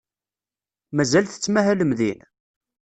Mazal tettmahalem din?